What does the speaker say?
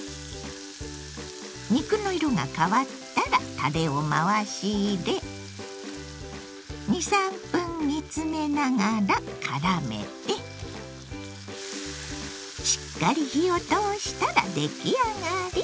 肉の色が変わったらたれを回し入れ２３分煮詰めながらからめてしっかり火を通したら出来上がり。